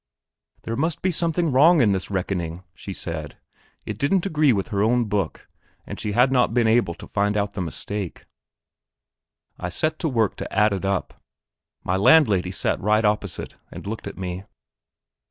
There must be something wrong in this reckoning, she said; it didn't agree with her own book; but she had not been able to find out the mistake. I set to work to add up. My landlady sat right opposite and looked at me.